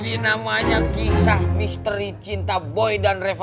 ini namanya kisah misteri cinta boy dan revo